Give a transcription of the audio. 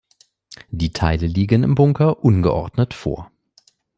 Die Teile liegen im Bunker ungeordnet vor.